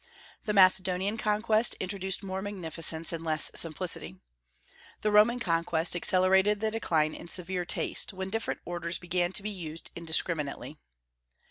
The Macedonian conquest introduced more magnificence and less simplicity. The Roman conquest accelerated the decline in severe taste, when different orders began to be used indiscriminately.